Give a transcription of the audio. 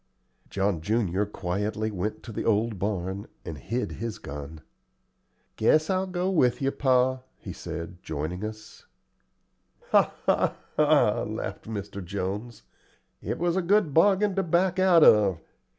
John junior quietly went to the old barn, and hid his gun. "Guess I'll go with you, pa," he said, joining us. "Ha, ha, ha!" laughed Mr. Jones. "It was a good bargain to back out of.